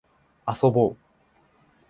遊ぼう